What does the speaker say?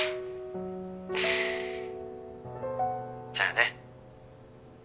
じゃあね。